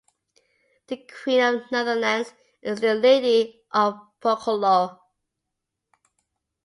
The Queen of the Netherlands is still Lady of Borculo.